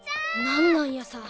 何なんやさ。